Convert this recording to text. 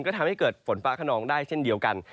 ก็ทำให้เกิดฝนฟ้าขนองได้เช่นเดียวกัน